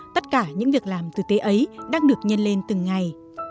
tất cả những việc làm tử tế ấy đang được nhân lên từng ngày